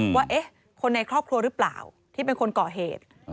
ว่าคนในครอบครัวหรือเปล่าที่เป็นคนก่อเหตุ